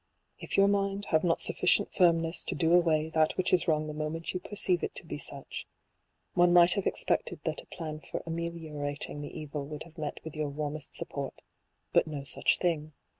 If your mind have not sufficient firm ness to do away that which is wrong the moment you perceive it to be such, one might have expected that a plan for ameliorating the evil would have met with your warmest support : but no such thing.